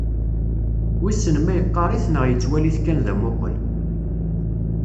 Wisen ma yeqqar-it neɣ yettwali-t kan d amuqel.